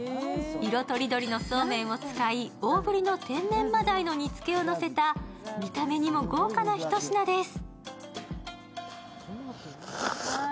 色とりどりのそうめんを使い、大ぶりの天然真鯛の煮付けをのせた見た目にも豪華なひと品です。